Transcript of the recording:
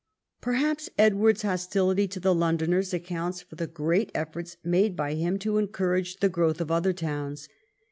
Perhaps Edward's hostility to the Londoners accounts for the great efforts made by him to encourage the growth of other towns.